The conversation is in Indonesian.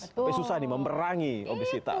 tapi susah nih memerangi obesitas